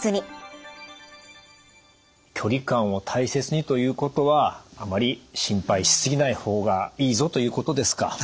「距離感を大切に」ということはあまり心配しすぎない方がいいぞということですか？